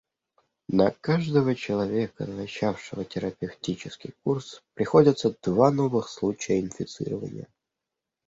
На каждого человека, начавшего терапевтический курс, приходятся два новых случая инфицирования.